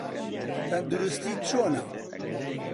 تەندروستیت چۆنە؟